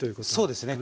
そうですね。